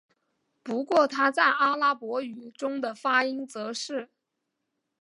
不过它在阿拉伯语中的发音则是。